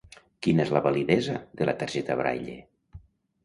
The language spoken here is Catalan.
Quina és la validesa de la targeta Braille?